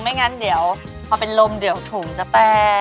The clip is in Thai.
ไม่งั้นเดี๋ยวพอเป็นลมเดี๋ยวถุงจะแตก